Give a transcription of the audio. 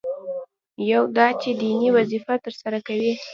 یو دا چې دیني وظیفه ترسره کوي.